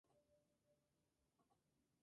Ese mismo año apareció en la webserie "Event Zero".